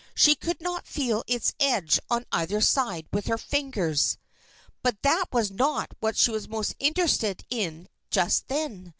She could not feel its edge on either side with her fingers. But that was not what she was most interested in just then.